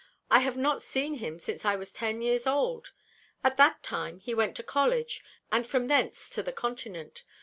I have not seen him since I was ten years old. At that time he went to college, and from thence to the Continent.